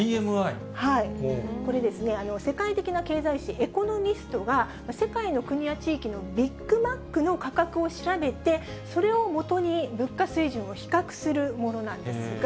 これですね、世界的な経済誌、エコノミストが、世界の国や地域のビッグマックの価格を調べて、それをもとに物価水準を比較するものなんですが。